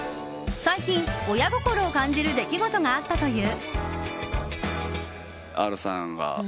最近、親心を感じる出来事があったという。